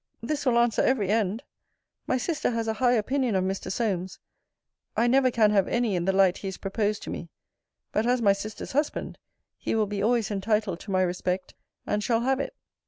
This will answer every end. My sister has a high opinion of Mr. Solmes. I never can have any in the light he is proposed to me. But as my sister's husband, he will be always entitled to my respect; and shall have it.